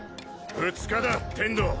２日だ天道。